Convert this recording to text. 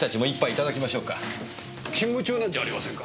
勤務中なんじゃありませんか？